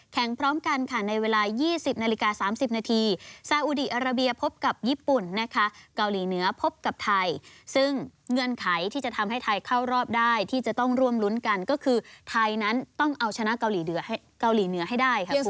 พร้อมกันค่ะในเวลา๒๐นาฬิกา๓๐นาทีซาอุดีอาราเบียพบกับญี่ปุ่นนะคะเกาหลีเหนือพบกับไทยซึ่งเงื่อนไขที่จะทำให้ไทยเข้ารอบได้ที่จะต้องร่วมรุ้นกันก็คือไทยนั้นต้องเอาชนะเกาหลีเหนือเกาหลีเหนือให้ได้ค่ะ